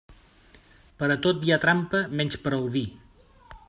Per a tot hi ha trampa menys per al vi.